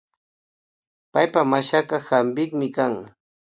Paypak mashaka hampikmi kan